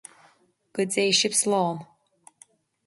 Go dté sibh slán